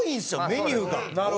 メニューが。